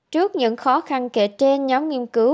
trước những khó khăn kể trên nhóm nghiên cứu